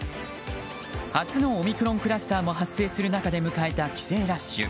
初のオミクロンクラスターも発生する中で迎えた帰省ラッシュ。